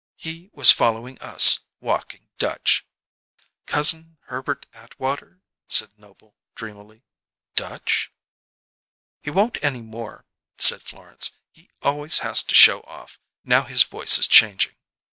He was following us, walking Dutch." "'Cousin Herbert Atwater'?" said Noble dreamily. "'Dutch'?" "He won't any more," said Florence. "He always hass to show off, now his voice is changing."